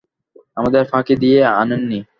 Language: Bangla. আমাদের ফাঁকি দিয়ে আনেন নি।